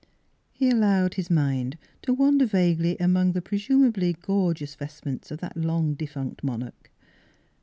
He allowed his mind to wander vaguely among the presumably gorgeous vest ments of that long defunct monarch.